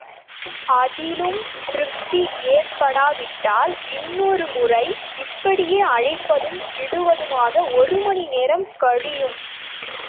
அதிலும் திருப்தி ஏற்படாவிட்டால் இன்னொரு முறை... இப்படியே அழிப்பதும் இடுவதுமாக ஒரு மணி நேரம் கழியும்.